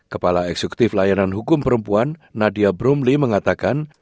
kepala eksekutif layanan hukum perempuan nadia brumli mengatakan